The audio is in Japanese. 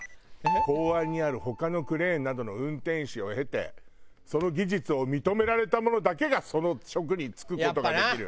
「港湾にある他のクレーンなどの運転士を経てその技術を認められたものだけがその職に就くことができる」